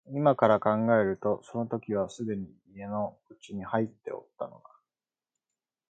今から考えるとその時はすでに家の内に入っておったのだ